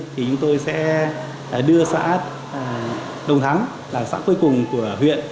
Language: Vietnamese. thì chúng tôi sẽ đưa xã đông thắng là xã cuối cùng của huyện